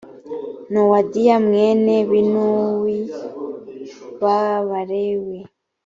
nowadiya mwene binuwi b abalewi